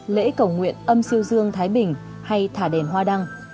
lễ cầu nguyện âm siêu dương thái bình hay thả đèn hoa đăng